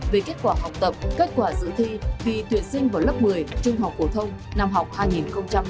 về kết quả học tập kết quả dự thi tuyển sinh vào lớp một mươi trung học phổ thông năm học hai nghìn hai mươi hai nghìn hai mươi